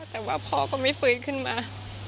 แต่ว่าพ่อก็ไม่ฟื้นขึ้นมา